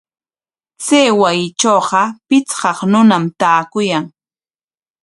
Chay wasitrawqa pichqaq runam taakuyan.